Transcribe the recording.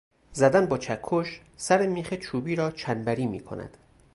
زدن با چکش سر میخ چوبی را چنبری می کند.